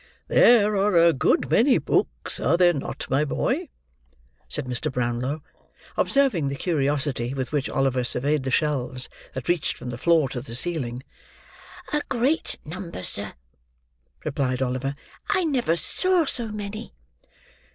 "There are a good many books, are there not, my boy?" said Mr. Brownlow, observing the curiosity with which Oliver surveyed the shelves that reached from the floor to the ceiling. "A great number, sir," replied Oliver. "I never saw so many."